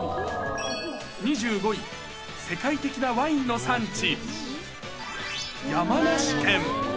２５位、世界的なワインの産地、山梨県。